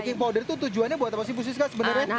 baking powder itu tujuannya buat emosi bu siska sebenarnya